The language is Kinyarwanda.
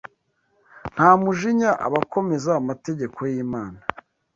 ntamujinya abakomeza amategeko y’Imana